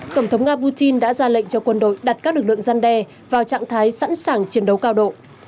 tổng thống nga putin đã ra lệnh cho quân đội đặt các lực lượng gian đe vào trạng thái sẵn sàng chiến đấu cao độ